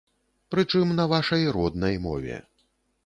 Прычым, на вашай роднай мове.